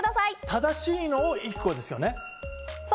正しいのを１個ですね。